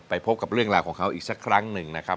พบกับเรื่องราวของเขาอีกสักครั้งหนึ่งนะครับ